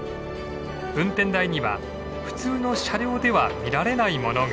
運転台には普通の車両では見られないものが。